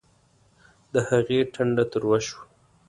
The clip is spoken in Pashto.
د هغې ټنډه تروه شوه